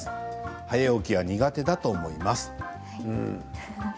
早起きは苦手だと思います。